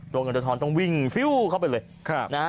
เงินตัวทองต้องวิ่งฟิ้วเข้าไปเลยนะฮะ